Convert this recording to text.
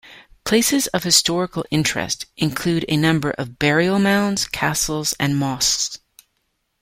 Places of historical interest include a number of burial mounds, castles and mosques.